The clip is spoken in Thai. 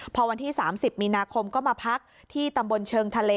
พอวันที่๓๐มีนาคมก็มาพักที่ตำบลเชิงทะเล